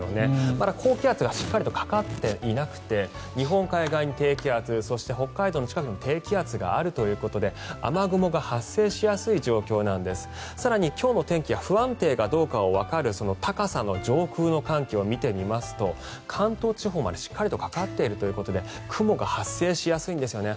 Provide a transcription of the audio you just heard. まだ高気圧がしっかりとかかっていなくて日本海側に低気圧そして北海道の近くにも低気圧があるということで雨雲が発生しやすい状況なんです更に今日の天気が不安定かどうかわかる高さの上空の寒気を見てみますと関東地方までしっかりかかっているということで雲が発生しやすいんですよね。